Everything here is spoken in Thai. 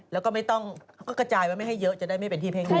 แล้วก็กระจายว่าไม่ให้เยอะจะได้ไม่เป็นที่เพ่งอีก